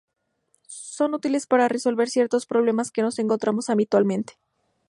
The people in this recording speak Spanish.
Son útiles para resolver ciertos problemas que nos encontramos habitualmente.